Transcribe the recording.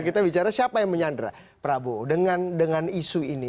kita bicara siapa yang menyandra prabowo dengan isu ini